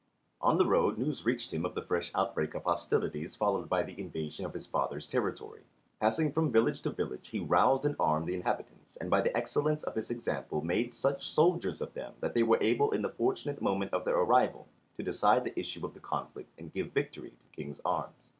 On the road news reached him of the fresh outbreak of hostilities followed by the invasion of his father's territory. Passing from village to village he roused and armed the inhabitants, and by the excellence of his example made such soldiers of them that they were able in the fortunate moment of their arrival to decide the issue of the conflict and give victory to the King's arms.